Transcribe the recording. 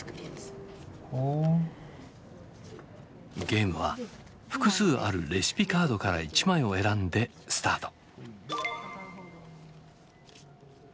ゲームは複数あるレシピカードから１枚を選んでスタート。